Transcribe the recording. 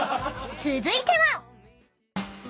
［続いては］